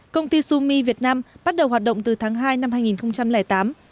công ty sumi việt nam bắt đầu hoạt động từ tháng hai năm hai nghìn tám